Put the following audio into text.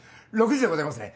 ６時でございますね？